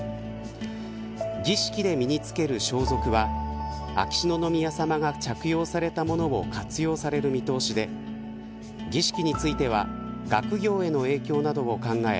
儀式で身に着ける装束は秋篠宮さまが着用されたものを活用される見通しで儀式については学業などの影響を考え